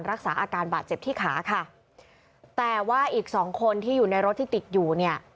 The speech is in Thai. รักษาอาการบาดเจ็บที่ขาค่ะแต่ว่าอีกสองคนที่อยู่ในรถที่ติดอยู่เนี่ย